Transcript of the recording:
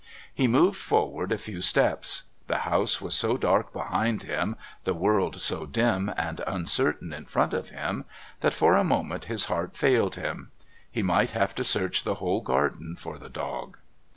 He moved forward a few steps; the house was so dark behind him, the world so dim and uncertain in front of him, that for a moment his heart failed him. He might have to search the whole garden for the dog.